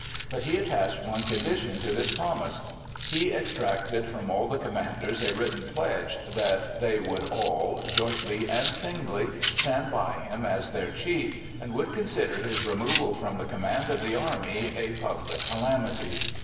But he attached one condition to this promise: he exacted from all the commanders a written pledge that they would all, jointly and singly, stand by him as their chief, and would consider his removal from the command of the army a public calamity.